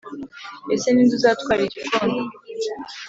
Ese ninde uzatwara igikombe?